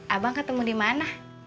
abang ketemu dimana